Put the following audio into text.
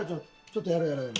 ちょっとやろうやろう。